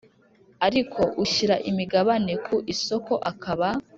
Ariko ushyira imigabane ku isoko akaba